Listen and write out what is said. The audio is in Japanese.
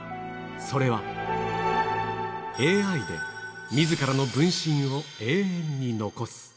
それは、ＡＩでみずからの分身を永遠に残す。